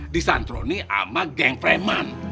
disantroni sama geng freman